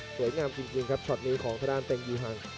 สวยงามจริงครับช็อตนี้ของทางด้านเต็งยีฮัง